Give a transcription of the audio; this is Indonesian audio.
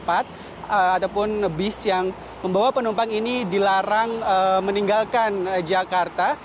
ataupun bis yang membawa penumpang ini dilarang meninggalkan jakarta